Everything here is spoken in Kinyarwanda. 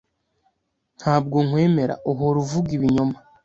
Ntabwo nkwemera. Uhora uvuga ibinyoma.